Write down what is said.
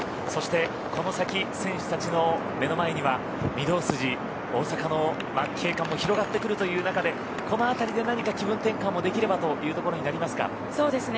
そして、この先選手たちの目の前には御堂筋大阪の景観も広がってくる中でこの辺りで何か気分転換もできればというところになりますか。